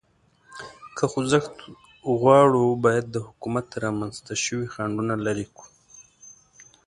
که خوځښت غواړو، باید د حکومت رامنځ ته شوي خنډونه لرې کړو.